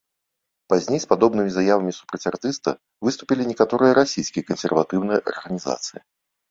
Пазней з падобнымі заявамі супраць артыста выступілі некаторыя расійскія кансерватыўныя арганізацыі.